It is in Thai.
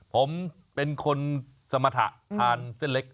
ผมเป็นคนสมรรถะทานเส้นเล็ก